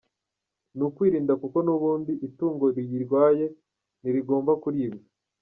Ni ukwirinda kuko n’ubundi itungo riyirwaye ntirigomba kuribwa.